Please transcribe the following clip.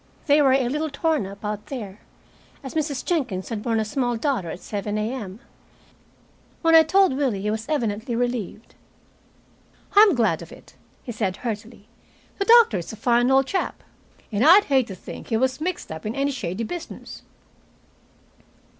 They were a little torn up out there, as Mrs. Jenkins had borne a small daughter at seven A.M. When I told Willie, he was evidently relieved. "I'm glad of it," he said heartily. "The doctor's a fine old chap, and I'd hate to think he was mixed up in any shady business."